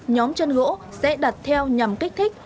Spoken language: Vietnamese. nhóm chân gỗ sẽ đặt theo nhằm kích thích